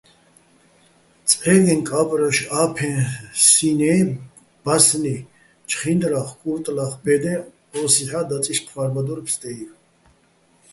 წე́გე, კა́პრაშ, ა́ფეჼ, სი́ნ - ე ბასნი, ჩხინდრა́ხ-კუტლა́ხ ბე́დეჼ, ოსიჰ̦ა́ დაწიშ ჴმა́რბადორ ფსტე́ივ.